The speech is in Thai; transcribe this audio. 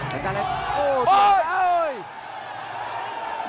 แคทเตอร์เล็กโอ้ยโอ้ย